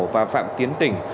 và phạm tiến tỉnh